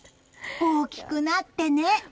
大きくなってね！